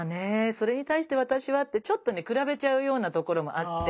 それに対して私はってちょっとね比べちゃうようなところもあって。